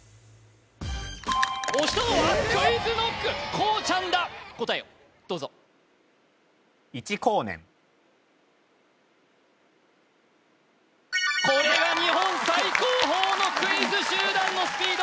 押したのはＱｕｉｚＫｎｏｃｋこうちゃんだ答えをどうぞこれが日本最高峰のクイズ集団のスピード